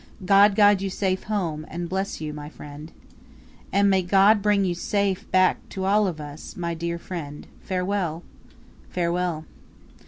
God guide you safe home, and bless you, my friend." "And may God bring you safe back to us all, my dear friend. Farewell!" "Farewell!"